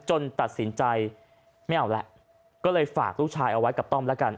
ตัดสินใจไม่เอาแล้วก็เลยฝากลูกชายเอาไว้กับต้อมแล้วกัน